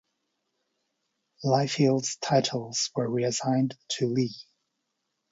Liefeld's titles were reassigned to Lee.